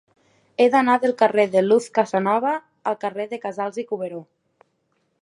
He d'anar del carrer de Luz Casanova al carrer de Casals i Cuberó.